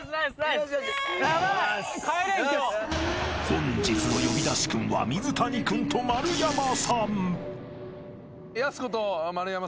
［本日の呼び出しクンは水谷君と丸山さん］